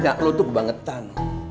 nya lo duk bangetan